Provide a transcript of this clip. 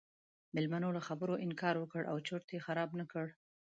میلمنو له خبرو انکار وکړ او چرت یې نه خراب کړ.